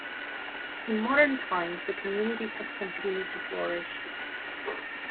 In modern times, the community has continued to flourish.